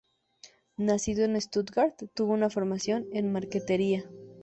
Nacido en Stuttgart, tuvo una formación en marquetería.